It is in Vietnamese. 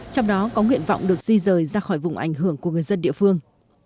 trong đó có nguyện vọng được di rời ra khỏi vùng ảnh hưởng của người dân địa phương